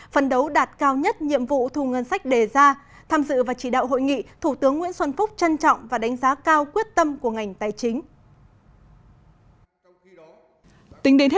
phần đấu đạt cao nhất nhiệm vụ thu ngân sách đề ra tham dự và chỉ đạo hội nghị thủ tướng nguyễn xuân phúc trân trọng và đánh giá cao quyết tâm của ngành tài chính